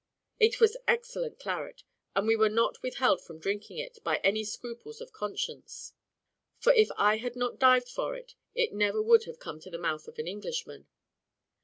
It was excellent claret, and we were not withheld from drinking it by any scruples of conscience; for if I had not dived for it, it would never have come to the mouth of an Englishman.